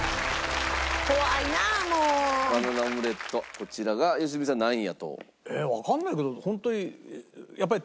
こちらが良純さん何位やと？わかんないけどホントにやっぱり。